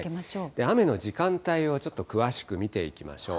雨の時間帯をちょっと詳しく見ていきましょう。